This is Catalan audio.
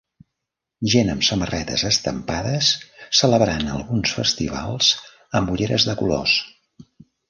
Gent amb samarretes estampades celebrant alguns festivals amb ulleres de colors